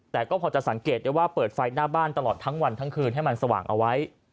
แต่ก็พอจะสังเกตได้ว่าเปิดไฟหน้าบ้านตลอดทั้งวันทั้งคืนให้มันสว่างเอาไว้